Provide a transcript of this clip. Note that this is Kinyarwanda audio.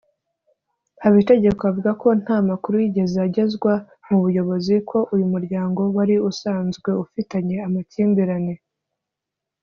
Habitegeko avuga ko nta makuru yigeze agezwa mu buyobozi ko uyu muryango wari usanzwe ufitanye amakimbirane